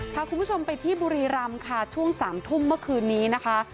พาคุณผู้ชมไปที่บุรีรำค่ะช่วง๓ทุ่มเมื่อคืนนี้นะคะ